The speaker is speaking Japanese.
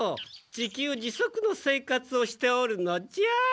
自給自足の生活をしておるのじゃ。